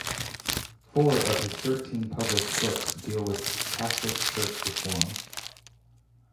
Four of his thirteen published books deal with Catholic Church reform.